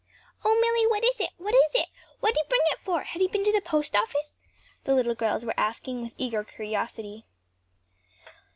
"O Milly, what is it? what is it? what did he bring it for? had he been to the post office?" the little girls were asking with eager curiosity.